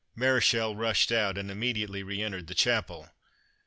Mareschal rushed out, and immediately re entered the chapel.